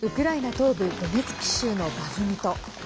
東部ドネツク州のバフムト。